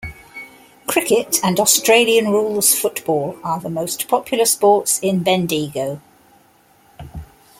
Cricket and Australian rules football are the most popular sports in Bendigo.